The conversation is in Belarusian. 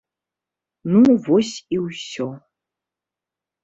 Ну вось і ўсе.